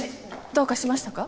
どうかしましたか？